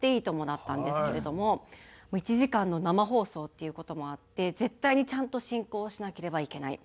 だったんですけれども１時間の生放送っていう事もあって絶対にちゃんと進行をしなければいけない。